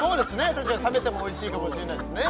確かに冷めてもおいしいかもしれないですね